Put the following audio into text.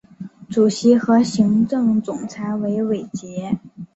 主席和行政总裁为韦杰。